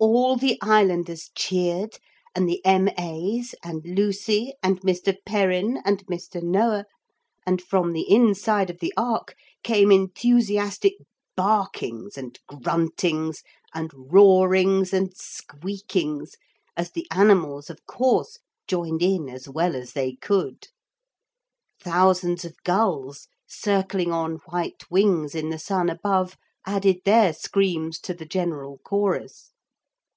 All the islanders cheered and the M.A.'s and Lucy and Mr. Perrin and Mr. Noah, and from the inside of the ark came enthusiastic barkings and gruntings and roarings and squeakings as the animals of course joined in as well as they could. Thousands of gulls, circling on white wings in the sun above, added their screams to the general chorus.